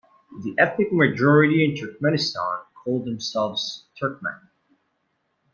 The ethnic majority in Turkmenistan call themselves Turkmen.